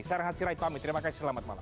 saya rahatsi raitwami terima kasih selamat malam